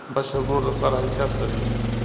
مشر ورور د پلار حیثیت لري.